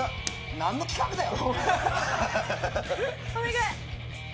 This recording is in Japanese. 何の企画だよ！